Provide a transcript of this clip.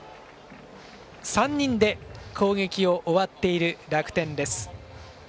３人で攻撃を終わっている楽天。